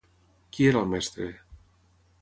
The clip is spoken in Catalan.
Qui era el mestre?